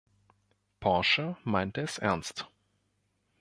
Porsche meinte es ernst.